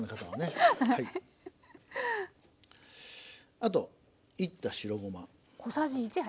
あと煎った白ごま。